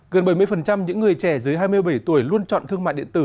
gần bảy mươi những người trẻ dưới hai mươi bảy tuổi luôn chọn thương mại điện tử